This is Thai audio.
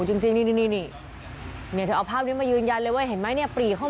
จริงนี่นี่ตัวเราภาพนี้มายืนยันเลยเห็นไหมเนี่ยปรีเข้า